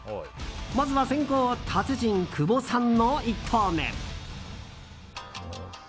まずは先攻達人・久保さんの１投目。